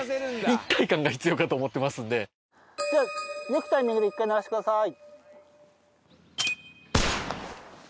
一体感が必要かと思ってますんでじゃあよきタイミングで１回鳴らしてください